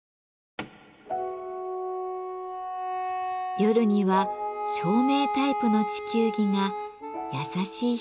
夜には照明タイプの地球儀が優しい光で照らしてくれます。